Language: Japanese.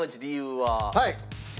はい。